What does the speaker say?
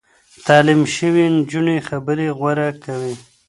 تعليم شوې نجونې خبرې غوره کوي.